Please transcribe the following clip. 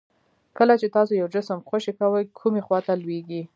کله چې تاسو یو جسم خوشې کوئ کومې خواته لویږي؟